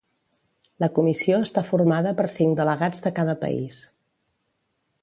La Comissió està formada per cinc delegats de cada país.